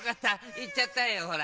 いっちゃったよほら。